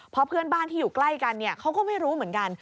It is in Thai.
เพราะเพื่อนบ้านที่อยู่ใกล้กันเขาก็ไม่รู้เหมือนกัน